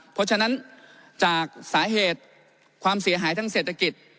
เพราะฉะนั้นจากสาเหตุความเสียหายทางเศรษฐกิจ